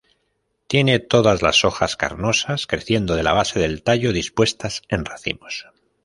Tiene todas las hojas carnosas creciendo de la base del tallo, dispuestas en racimos.